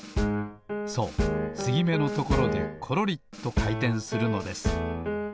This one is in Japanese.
そうつぎめのところでころりとかいてんするのです。